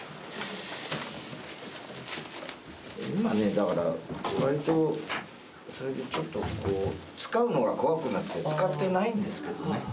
今ねだからわりと最近ちょっとこう使うのが怖くなって使ってないんですけどね。